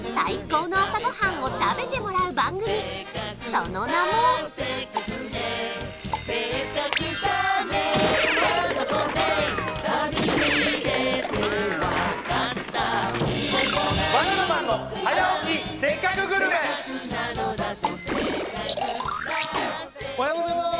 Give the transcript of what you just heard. その名もおはようございます！